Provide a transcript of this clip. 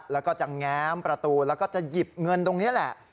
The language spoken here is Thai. แล้วก็จะแง้มประตูแล้วก็จะหยิบเงินตรงนี้แหละ